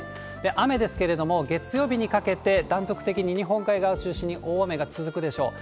雨ですけれども、月曜日にかけて断続的に日本海側を中心に大雨が続くでしょう。